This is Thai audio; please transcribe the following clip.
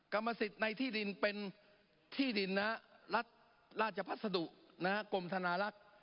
กรรมสิทธิ์ในที่ดินเป็นที่ดินรัฐราชพัสดุกรมธนาลักษณ์